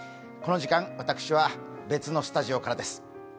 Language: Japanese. この時間、私は別のスタジオからです。